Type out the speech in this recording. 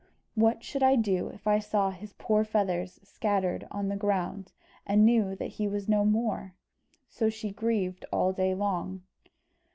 What should I do if I saw his poor feathers scattered on the ground, and knew that he was no more?" So she grieved all day long.